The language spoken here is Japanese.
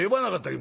今」。